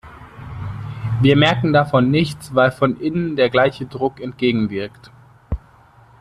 Wir merken davon nichts, weil von innen der gleiche Druck entgegenwirkt.